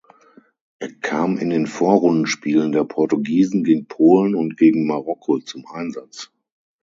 Er kam in den Vorrundenspielen der Portugiesen gegen Polen und gegen Marokko zum Einsatz.